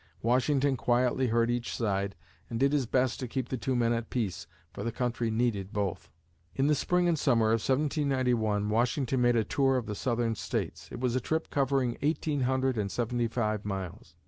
Washington quietly heard each side and did his best to keep the two men at peace, for the country needed both. In the spring and summer of 1791, Washington made a tour of the Southern States. It was a trip covering eighteen hundred and seventy five miles.